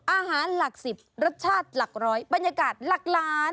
อาหารหลัก๑๐รสชาติหลักร้อยบรรยากาศหลักล้าน